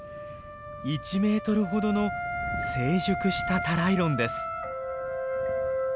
１メートルほどの成熟したタライロンです。